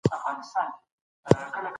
اقتصادي ودې خپل ارزښت ثابت کړی و.